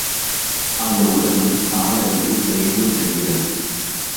அந்த உறவு நாளடைவில் தேய்ந்து விடுகிறது.